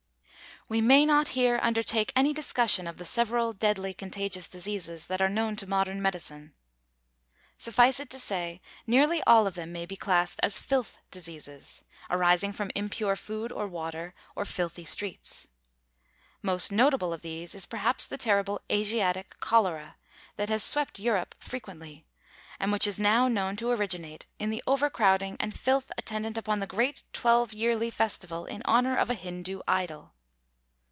We may not here undertake any discussion of the several deadly contagious diseases that are known to modern medicine. Suffice it to say nearly all of them may be classed as filth diseases, arising from impure food or water, or filthy streets. Most notable of these is perhaps the terrible Asiatic cholera, that has swept Europe frequently, and which is now known to originate in the overcrowding and filth attendant upon the great twelve yearly festival in honor of a Hindoo idol.